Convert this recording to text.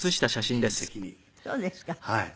はい。